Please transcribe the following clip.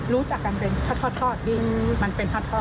รู้จักกันเป็นทอดยิ่งมันเป็นทอด